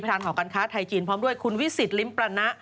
ทางหอการค้าไทยจีนพร้อมด้วยคุณวิสิตลิ้มปรณะ